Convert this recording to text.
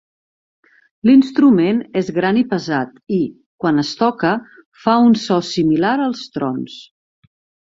L'instrument és gran i pesat i, quan es toca, fa un so similar als trons.